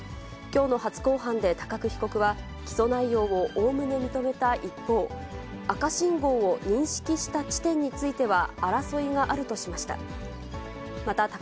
きょうの初公判で高久被告は、起訴内容をおおむね認めた一方、赤信号を認識した地点については、争いがあるとしました。